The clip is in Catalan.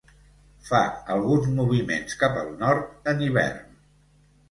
Fa alguns moviments cap al Nord en hivern.